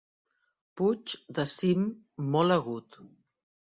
Puigs de cim molt agut.